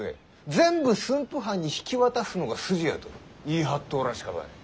全部駿府藩に引き渡すのが筋や」と言い張っとうらしかばい。